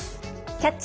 「キャッチ！